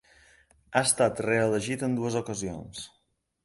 Ha estat reelegit en dues ocasions.